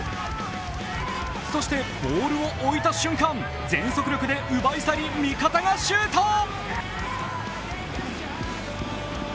そしてボールを置いた瞬間、全速力で奪い去り味方がシュート。